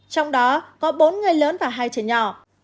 trong đó có bốn người lớn và hai trẻ nhỏ